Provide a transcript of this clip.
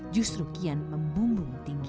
justru kian membumbung tinggi